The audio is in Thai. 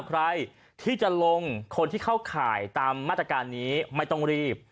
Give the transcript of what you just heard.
ใครที่จะลงคนที่เข้าข่ายตามมาตรการนี้ไม่ต้องรีบ